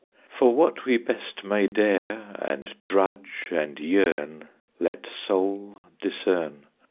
For what we best may dare and drudge and yearn, Let soul discern.